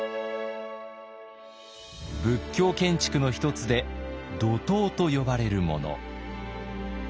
仏教建築の一つで土塔と呼ばれるもの。